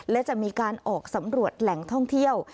และจะมีการออกสำรวจแหล่งท่องเที่ยว